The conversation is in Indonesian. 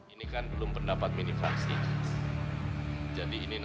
ini kan belum pendapat mini faksi